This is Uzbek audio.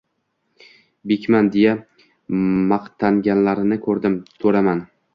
“Bekman”, deya maqtanganlarni ko’rdim, “to’raman”